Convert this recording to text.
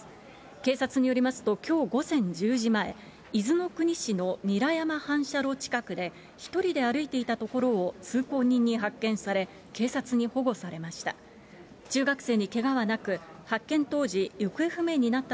警察によりますと、きょう午前１０時前、伊豆の国市の韮山反射炉近くで１人で歩いていたところを通行人に発見され、警察に保護されました。